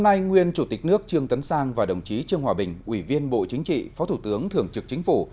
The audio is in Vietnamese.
hôm nay nguyên chủ tịch nước trương tấn sang và đồng chí trương hòa bình ủy viên bộ chính trị phó thủ tướng thường trực chính phủ